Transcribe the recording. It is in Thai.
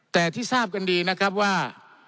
แต่ที่ทราบกันดีนะครับว่า